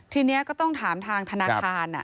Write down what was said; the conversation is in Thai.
ทีนี้ก็ต้องถามทางธนาคาร